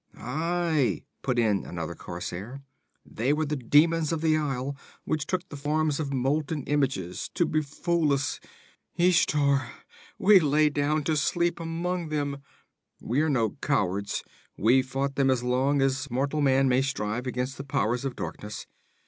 'Aye!' put in another corsair. 'They were the demons of the isle, which took the forms of molten images, to befool us. Ishtar! We lay down to sleep among them. We are no cowards. We fought them as long as mortal man may strive against the powers of darkness.